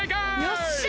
よっしゃ！